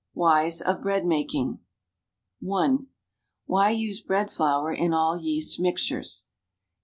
73 WHYS OF BREAD MAKING (1) Why use bread flour in all yeast mixtures?